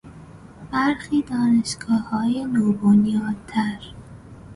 برخی دانشگاههای نوبنیادتر